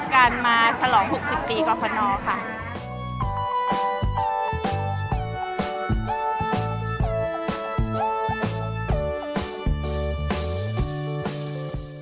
การมาฉลอง๖๐ปีกรฟนค่ะ